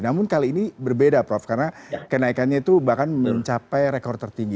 namun kali ini berbeda prof karena kenaikannya itu bahkan mencapai rekor tertinggi